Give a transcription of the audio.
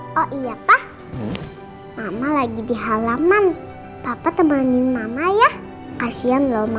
walaupun tidak ada ikatan darah yang mengalir antara kami dan reina